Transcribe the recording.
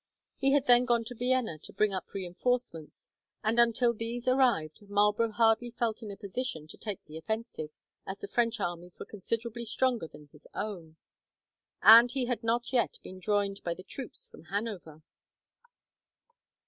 He had then gone to Vienna to bring up reinforcements, and until these arrived Marlborough hardly felt in a position to take the offensive, as the French armies were considerably stronger than his own, and he had not yet been joined by the troops from Hanover.